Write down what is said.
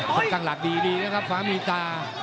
กลางหลักดีนะครับขวามีตา